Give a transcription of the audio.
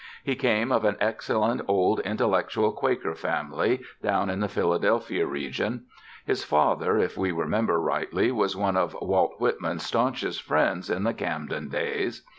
He came of an excellent old intellectual Quaker family down in the Philadelphia region. His father (if we remember rightly) was one of Walt Whitman's staunchest friends in the Camden days.